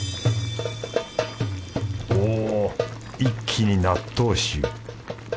おぉ一気に納豆臭。